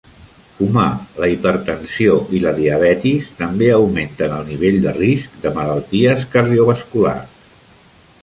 Fumar, la hipertensió i la diabetis també augmenten el nivell de risc de malalties cardiovasculars.